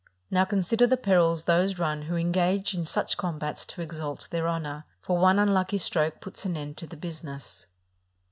Now, consider the perils those run who 579 PORTUGAL engage in such combats to exalt their honor; for one unlucky stroke puts an end to the business.